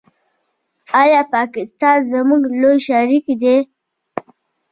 آیا پاکستان زموږ لوی شریک دی؟